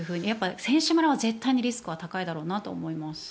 選手村は絶対にリスクは高いだろうなと思います。